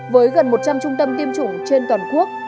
với gần một trăm linh trung tâm tiêm chủng trên toàn quốc